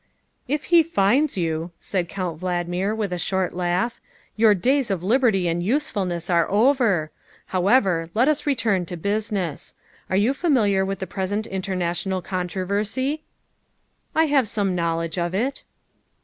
''" If he finds you," said Count Valdmir with a short laugh, " your days of liberty and usefulness are over. However, let us return to business. Are you familiar with the present international controversy?" '' I have some knowledge of it.